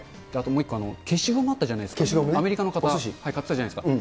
もう一個、消しゴムあったじゃないですか、アメリカの方、買ってたじゃないですか。